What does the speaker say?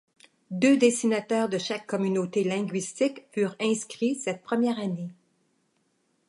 Deux dessinateurs de chaque communauté linguistique furent inscrits cette première année.